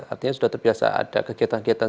artinya sudah terbiasa ada kegiatan kegiatan